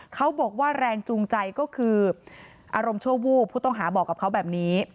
เขาบอกว่าแรงจูงใจก็คืออารมณ์ชั่ววูบผู้ต้องหาบอกกับเขาแบบนี้